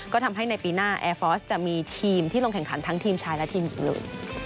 ก็ทำให้ในปีหน้าแอร์ฟอร์สจะมีทีมที่ลงแข่งขันทั้งทีมชายและทีมหญิงเลย